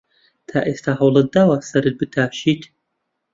تا ئێستا هەوڵت داوە سەرت بتاشیت؟